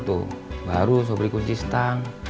tuh baru sobri kunci stang